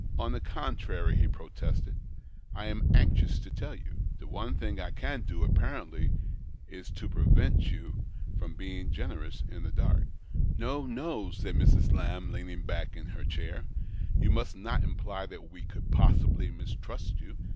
" On the contrary," he protested, " I am anxious to tell you. The one thing I can do, apparently, is to prevent you from being generous in the dark." THE OCTAVE OF CLAUDIUS. 71 " No, no !" said Mrs. Laml), leaning back in her chair, " You must not imply that we could possibly mistrust you.